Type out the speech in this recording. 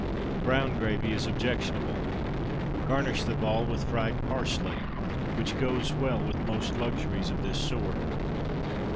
Brown gravy is objectionable. Garnish the Vol with fried parsley, which goes well with most luxuries of this sort.